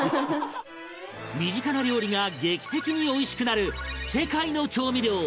身近な料理が劇的においしくなる世界の調味料